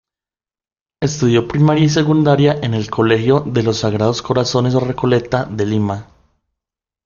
Estudió primaria y secundaria en el Colegio de los Sagrados Corazones Recoleta de Lima.